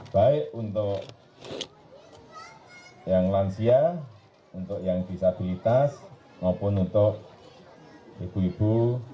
baik untuk yang lansia untuk yang disabilitas maupun untuk ibu ibu